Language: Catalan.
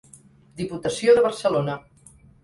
Diputació de Barcelona.